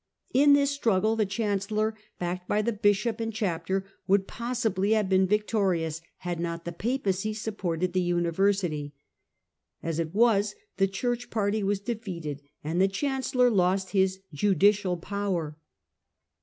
In this struggle the Chancellor, backed by the Bishop and Chapter, would possibly have been victorious, had not the Papacy sup ported the University. As it was, the Church party was defeated, and the Chancellor lost his judicial power.